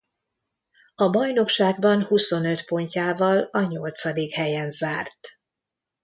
A bajnokságban huszonöt pontjával a nyolcadik helyen zárt.